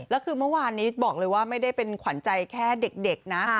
แล้วคือเมื่อวานนี้บอกเลยว่าไม่ได้เป็นขวัญใจแค่เด็กนะ